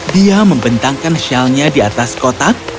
dia membentangkan shellnya di atas kotak